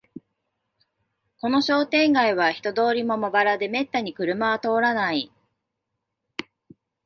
この商店街は人通りもまばらで、めったに車は通らない